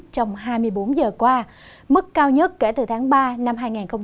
trong hai mươi bốn giờ qua mức cao nhất kể từ tháng ba năm hai nghìn hai mươi